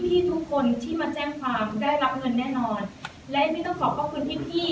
พี่ทุกคนที่มาแจ้งความได้รับเงินแน่นอน